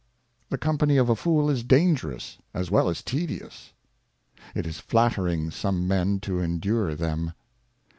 The Company of a Fool is dangerous as well as tedious. It is flattering some Men to endure them.